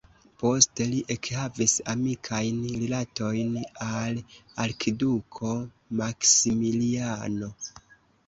Poste li ekhavis amikajn rilatojn al arkiduko Maksimiliano.